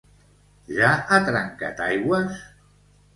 Ja ha trencat aigües?